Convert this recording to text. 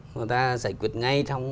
người ta giải quyết ngay trong